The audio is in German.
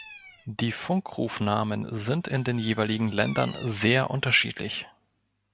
Die Funkrufnamen sind in den jeweiligen Ländern sehr unterschiedlich.